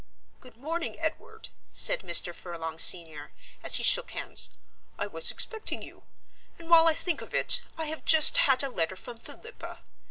"Good morning, Edward," said Mr. Furlong senior, as he shook hands. "I was expecting you. And while I think of it, I have just had a letter from Philippa.